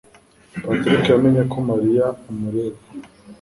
Patrick yamenye ko Mariya amureba.